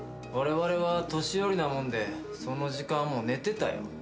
われわれは年寄りなもんでその時間はもう寝てたよ。